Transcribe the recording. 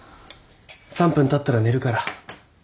３分たったら寝るから。